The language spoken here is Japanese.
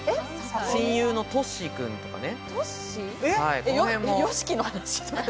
親友のトシくんとかね。